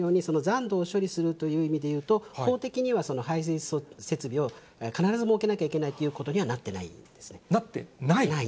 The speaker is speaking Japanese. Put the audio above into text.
今回のようにその残土を処理するという意味で言うと、法的には、その排水設備を必ず設けなきゃいけないということにはなっていななってない？